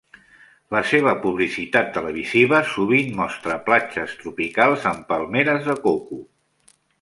La seva publicitat televisiva sovint mostra platges tropicals amb palmeres de coco.